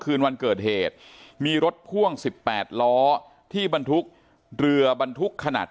คืนวันเกิดเหตุมีรถพ่วง๑๘ล้อที่บรรทุกเรือบรรทุกขนาด